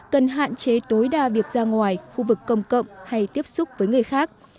cần hạn chế tối đa việc ra ngoài khu vực công cộng hay tiếp xúc với người khác